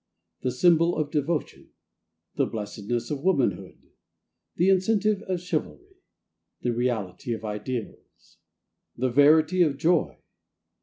The Symbol of Devotion. The Blessedness of Womanhood. The Incentive of Chivalry. The Reality of Ideals. The Verity of Joy.